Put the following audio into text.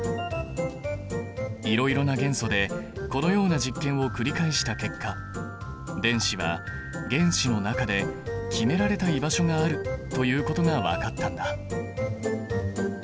いろいろな元素でこのような実験を繰り返した結果電子は原子の中で決められた居場所があるということが分かったんだ。